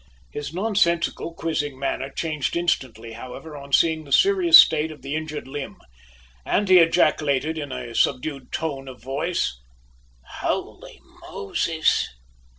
His nonsensical, quizzing manner changed instantly, however, on seeing the serious state of the injured limb, and he ejaculated in a subdued tone of voice, "Holy Moses!"